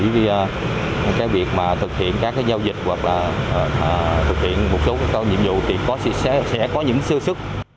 vì việc thực hiện các giao dịch hoặc là thực hiện một số nhiệm vụ thì sẽ có những sưu sức